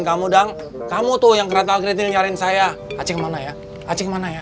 kalau puan makannya fahad